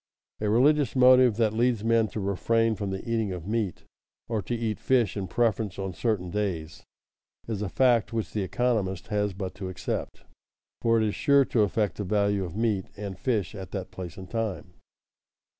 A religious motive that leads men to refrain from the eating of meat or to eat fish in preference on certain days, is a fact which the economist has but to accept, for it is sure to affect the value of meat and fish at that place and time.